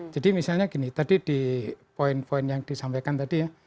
jadi misalnya gini tadi di poin poin yang disampaikan tadi ya